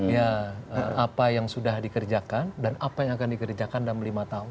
ya apa yang sudah dikerjakan dan apa yang akan dikerjakan dalam lima tahun